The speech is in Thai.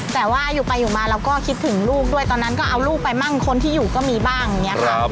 แต่ว่าอยู่ไปอยู่มาเราก็คิดถึงลูกด้วยตอนนั้นก็เอาลูกไปบ้างคนที่อยู่ก็มีบ้างอย่างนี้ค่ะ